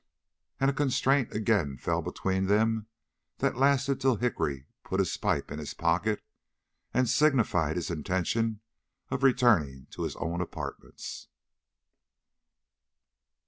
And a constraint again fell between them that lasted till Hickory put his pipe in his pocket and signified his intention of returning to his own apartments.